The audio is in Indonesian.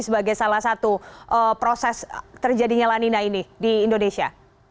sebagai salah satu proses terjadinya lanina ini di indonesia